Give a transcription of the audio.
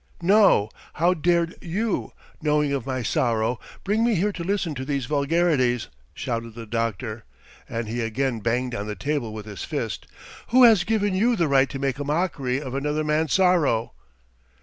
"No, how dared you, knowing of my sorrow, bring me here to listen to these vulgarities!" shouted the doctor, and he again banged on the table with his fist. "Who has given you the right to make a mockery of another man's sorrow?"